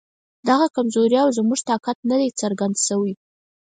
د هغه کمزوري او زموږ طاقت سم نه دی څرګند شوی.